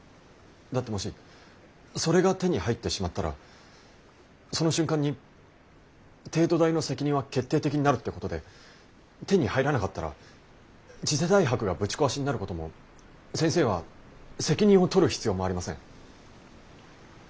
だってもしそれが手に入ってしまったらその瞬間に帝都大の責任は決定的になるってことで手に入らなかったら次世代博がぶち壊しになることも先生は責任を取る必要もありません。